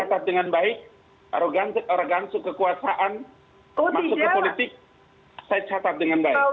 catat dengan baik organsu kekuasaan masuk ke politik saya catat dengan baik